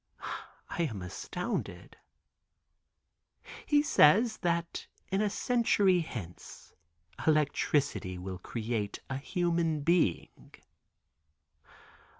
I am astounded." "He says that in a century hence electricity will create a human being."